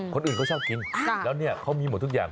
คนอื่นเขาชอบกินแล้วเนี่ยเขามีหมดทุกอย่าง